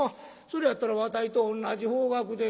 それやったらわたいと同じ方角でんがな。